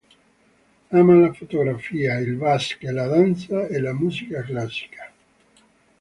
Ama la fotografia, il basket, la danza e la musica classica.